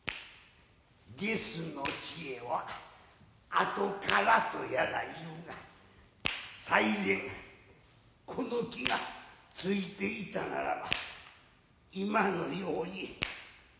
「下種の知恵はあとから」とやら言うが最前この気が付いていたならば今のように飛ばすまいものを。